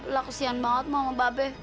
lah kesian banget mau sama babe